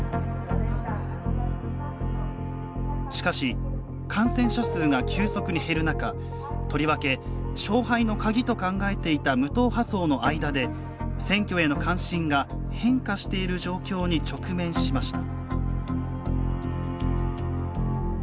しかし、感染者数が急速に減る中とりわけ、勝敗の鍵と考えていた無党派層の間で選挙への関心が変化している状況に直面しました。